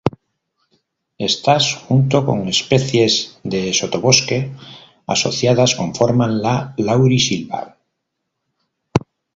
Éstas, junto con especies de sotobosque asociadas conforman la laurisilva.